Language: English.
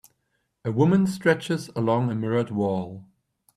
A woman stretches along a mirrored wall.